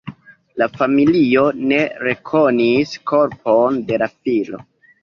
La familio ne rekonis korpon de la filo.